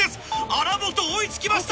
荒本追い付きました。